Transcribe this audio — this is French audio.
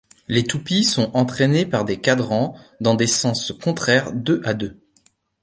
Les toupies sont entraînées par des cardans dans des sens contraires deux à deux.